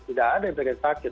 tidak ada yang pengen sakit